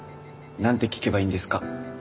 なんて聞けばいいんですか？